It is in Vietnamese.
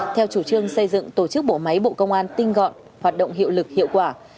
theo chủ trương xây dựng tổ chức bộ máy bộ công an tinh gọn hoạt động hiệu lực hiệu quả